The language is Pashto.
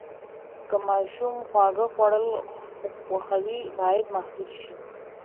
که ماشوم خواږه خوړل خوښوي، باید محدود شي.